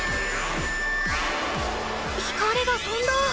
光がとんだ！